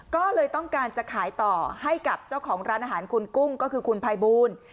ก็เลยต้องการจะขายต่อให้กับเจ้าของร้านอาหารคุณกุ้งก็คือคุณภัยบูล